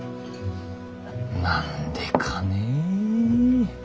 何でかねぇ。